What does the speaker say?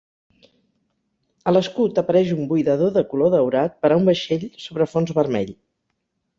A l'escut apareix un buidador de color daurat per a un vaixell sobre fons vermell.